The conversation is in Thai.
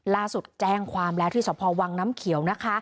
แจ้งความแล้วที่สพวังน้ำเขียวนะคะ